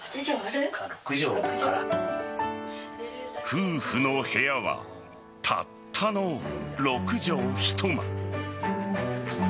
夫婦の部屋はたったの６畳１間。